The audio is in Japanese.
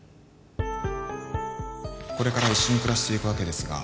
これから一緒に暮らしていくわけですが